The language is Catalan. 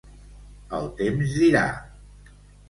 El temps dirà.